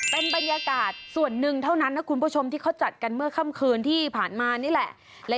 เป็นบรรยากาศส่วนหนึ่งเท่านั้นนะคุณผู้ชมที่เขาจัดกันเมื่อค่ำคืนที่ผ่านมานี่แหละ